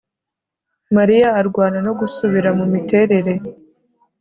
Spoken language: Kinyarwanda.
Mariya arwana no gusubira mumiterere